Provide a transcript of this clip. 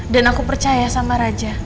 dan aku percaya sama raja